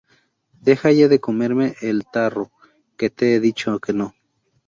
Deja ya de comerme el tarro que te he dicho que no